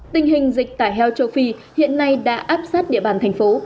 tình hình dịch tả heo châu phi hiện nay đã áp sát địa bàn thành phố